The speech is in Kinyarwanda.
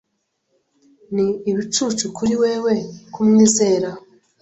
Ni ibicucu kuri wewe kumwizera.